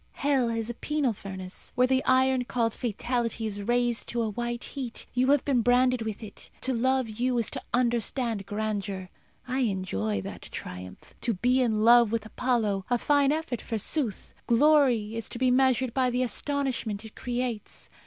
Hell is a penal furnace, where the iron called Fatality is raised to a white heat. You have been branded with it. To love you is to understand grandeur. I enjoy that triumph. To be in love with Apollo a fine effort, forsooth! Glory is to be measured by the astonishment it creates.